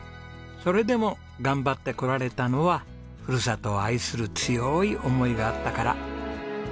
それでも頑張ってこられたのはふるさとを愛する強い思いがあったから。